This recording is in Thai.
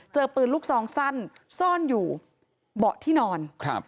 ปืนลูกซองสั้นซ่อนอยู่เบาะที่นอนครับ